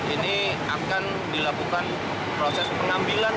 ini akan dilakukan proses pengambilan